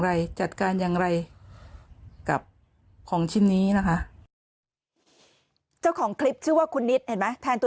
อะไรจัดการอย่างไรกับของชิ้นนี้นะคะเจ้าของคลิปชื่อว่าคุณนิดเห็นไหมแทนตัว